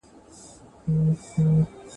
کله د زړو کسانو حقونه نقض کیږي؟